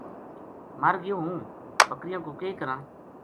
مر گیو ہون بکریاں کو کے کراں